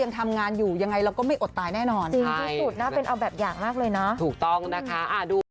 วันนี้ทำงานก็คือหาเงินเลี้ยงคุณแม่แล้วก็ตัวเองแล้วก็ทักทั้งบ้าน